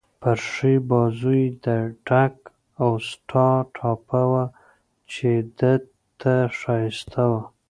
پر ښي بازو يې د ډک اوسټا ټاپه وه، چې ده ته ښایسته وه.